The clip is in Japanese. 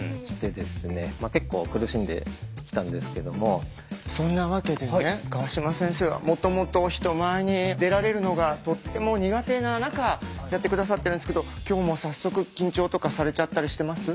僕はそんなわけでね川島先生はもともと人前に出られるのがとっても苦手な中やって下さってるんですけど今日も早速緊張とかされちゃったりしてます？